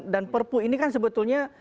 perpu ini kan sebetulnya